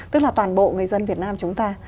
tức là toàn bộ người dân việt nam chúng ta